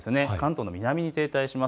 関東の南に停滞します。